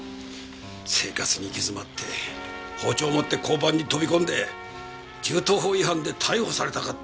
生活に行き詰って包丁持って交番に飛び込んで銃刀法違反で逮捕されたかったってわけか。